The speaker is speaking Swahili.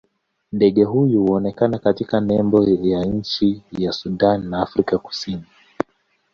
Ndege huyu huonekana katika nembo ya nchi za Sudan na Afrika Kusini.